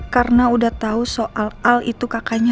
karena udah tau soal al itu kakaknya